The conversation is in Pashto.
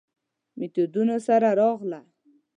میتودونو سره راغله.